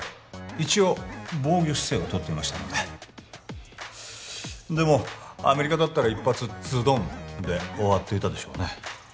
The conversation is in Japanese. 一応防御姿勢をとっていましたのででもアメリカだったら一発ズドンで終わっていたでしょうね